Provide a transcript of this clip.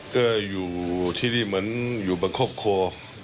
ก็อยู่ที่นี่เหมือนอยู่บางครอบครัว